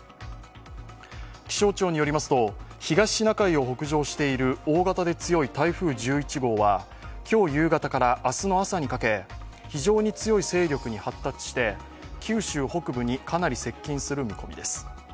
気象庁によりますと、東シナ海を北上している大型で強い台風１１号は今日夕方から明日の朝にかけ非常に強い勢力に発達して九州北部にかなり接近する見込みです。